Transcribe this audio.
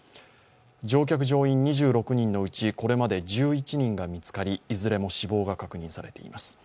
乗客・乗員２６人のうち、これまで１１人が見つかりいずれも死亡が確認されています。